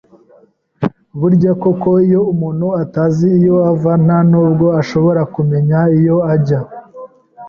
burya koko iyo umuntu atazi iyo ava nta nubwo ashobora kumenya iyo ajya